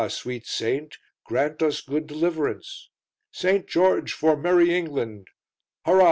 sweet Saint, grant us good deliverance!" "St. George for merry England!" "Harow!